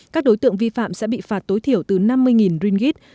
các đối tượng vi phạm sẽ bị phạt tối thiểu từ năm mươi ringgit